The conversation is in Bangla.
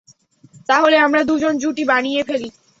তাহলে আমরা দুজন জুটি বানিয়ে ফেলি।